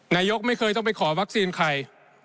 นายกไม่เคยต้องไปขอวัคซีนใคร